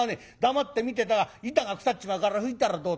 黙って見てたら板が腐っちまうから拭いたらどうだ。